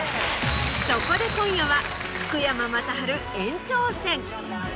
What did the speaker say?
そこで今夜は福山雅治延長戦。